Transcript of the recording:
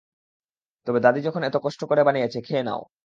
তবে দাদি যখন এতো কষ্ট করে বানিয়েছে, খেয়ে নাও।